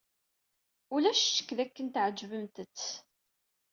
Ulac ccekk dakken tɛejbemt-t.